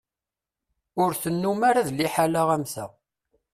Ur tennum ara d liḥala am ta.